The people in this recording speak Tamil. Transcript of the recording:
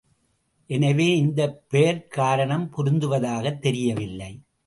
எனவே, இந்தப் பெயர்க் காரணம் பொருந்துவதாகத் தெரியவில்லை.